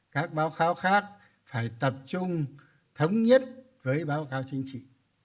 các báo cáo khác phải tập trung thống nhất với báo cáo chính trị